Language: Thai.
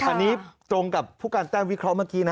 อันนี้ตรงกับผู้การแต้มวิเคราะห์เมื่อกี้นะ